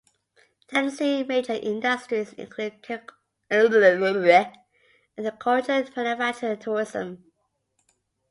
Tennessee's major industries include agriculture, manufacturing, and tourism.